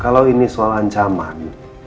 kalau ini soal ancaman